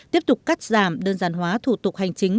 tiếp tục cắt giảm đơn giản hóa thủ tục hành chính